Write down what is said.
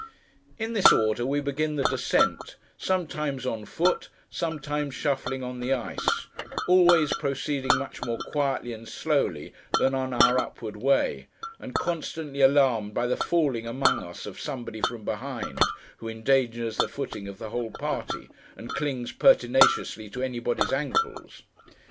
In this order, we begin the descent: sometimes on foot, sometimes shuffling on the ice: always proceeding much more quietly and slowly, than on our upward way: and constantly alarmed by the falling among us of somebody from behind, who endangers the footing of the whole party, and clings pertinaciously to anybody's ankles.